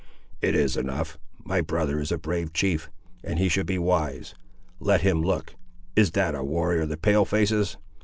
"It is enough. My brother is a brave chief, and he should be wise. Let him look: is that a warrior of the Pale faces?